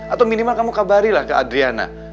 atau minimal kamu kabari lah ke adriana